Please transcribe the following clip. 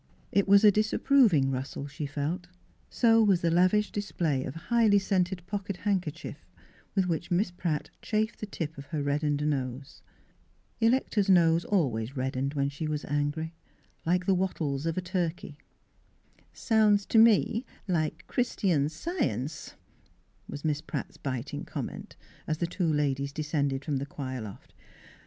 It was a disapproving rustle, she felt, so was the lavish display of highly scented [ 53 ] Mm Fhilura's Wedding Gown pocket handkerchief, with which Miss Pratt chafed the tip of her reddened nose. Electa's nose always reddened when she was angry, like the wattles of a turkey. " Sounds to me like Christian Science" was Miss Pratt's biting comment, as the two ladies descended from the choir loft.